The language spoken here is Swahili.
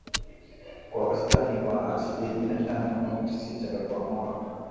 kwa wastani wa asilimia tano nukta sita kwa mwaka